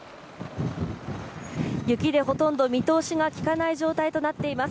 雪でほとんど見通しが利かない状態となっています。